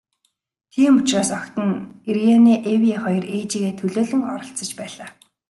Тийм учраас охид нь, Ирене Эве хоёр ээжийгээ төлөөлөн оролцож байлаа.